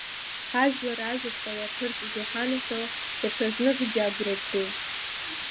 Ҳажәлар ажәаԥҟа иаԥырҵаз иҳанаҳәоу даҽазныкгьы агәра згеит…